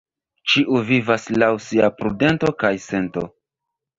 Ĉiu vivas laŭ sia prudento kaj sento.